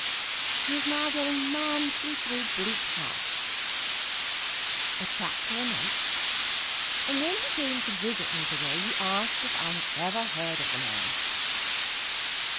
He is now going manfully through "Bleak House" a chapter a night and when he came to visit me to day he asked me if I had ever heard of the man.